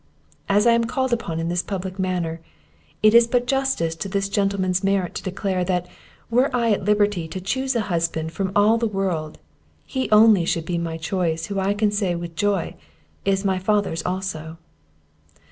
As I am called upon in this public manner, it is but justice to this gentleman's merit to declare, that, were I at liberty to chuse a husband from all the world, he only should be my choice, who I can say, with joy, is my father's also."